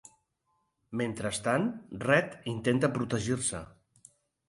Mentrestant, Red intenta protegir-se.